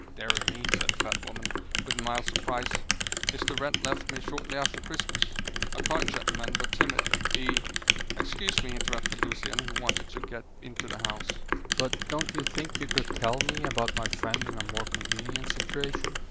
"Deary me!" said the fat woman, with mild surprise. "Mr. Wrent left me shortly after Christmas. A kind gentleman, but timid; he " "Excuse me," interrupted Lucian, who wanted to get into the house, "but don't you think you could tell me about my friend in a more convenient situation?"